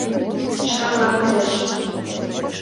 Шканна кодеш...